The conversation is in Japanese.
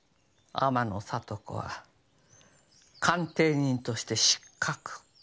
天野郷子は鑑定人として失格。